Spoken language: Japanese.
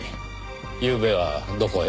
ゆうべはどこへ？